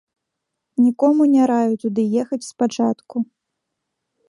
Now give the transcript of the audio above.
Нікому не раю туды ехаць спачатку.